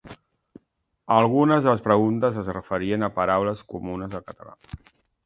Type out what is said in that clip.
Algunes de les preguntes es referien a paraules comunes del català.